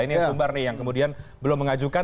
ini yang sumbar nih yang kemudian belum mengajukan